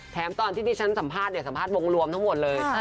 ตอนที่ดิฉันสัมภาษณ์เนี่ยสัมภาษณ์วงรวมทั้งหมดเลย